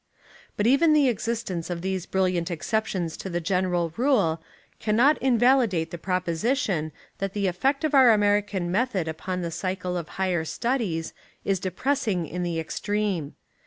But even the existence of these brilliant ex ceptions to the general rule cannot Invalidate the proposition that the effect of our American 87 Essays and Literary Studies method upon the cycle of higher studies is de pressing in the extreme.